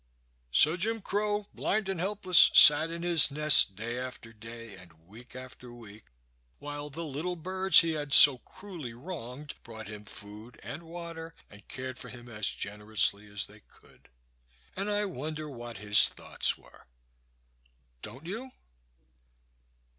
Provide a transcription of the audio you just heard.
So Jim Crow, blind and helpless, sat in his nest day after day and week after week, while the little birds he had so cruelly wronged brought him food and water and cared for him as generously as they could. And I wonder what his thoughts were don't you?